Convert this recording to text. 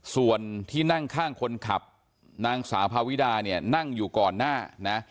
ส่วนที่นั่งข้างคนขับนางสาวพาวิดาเนี่ยนั่งอยู่ก่อนหน้านะ